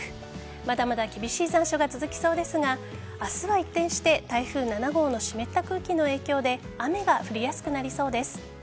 まだまだ厳しい残暑が続きそうですが明日は一転して台風７号の湿った空気の影響で雨が降りやすくなりそうです。